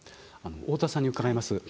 大田さんに伺います。